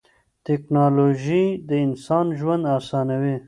تکنالوژي د انسان ژوند اسانوي.